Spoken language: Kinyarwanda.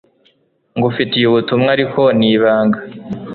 ngufitiye ubutumwa ariko ni ibanga